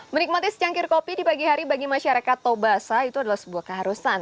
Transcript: menikmati secangkir kopi di pagi hari bagi masyarakat tobasa itu adalah sebuah keharusan